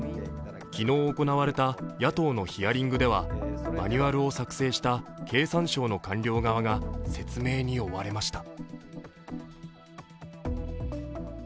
昨日行われた野党のヒアリングではマニュアルを作成した経産省の官僚側が説明に追われました。